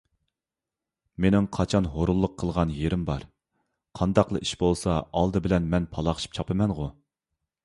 مېنىڭ قاچان ھۇرۇنلۇق قىلغان يېرىم بار؟ قانداقلا ئىش بولسا ئالدى بىلەن مەن پالاقشىپ چاپىمەنغۇ!